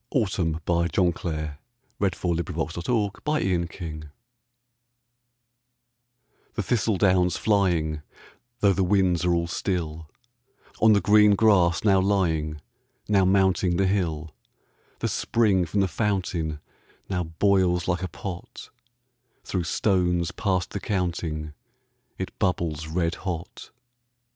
I J . K L . M N . O P . Q R . S T . U V . W X . Y Z Autumn THE thistledown's flying, though the winds are all still, On the green grass now lying, now mounting the hill, The spring from the fountain now boils like a pot; Through stones past the counting it bubbles red hot.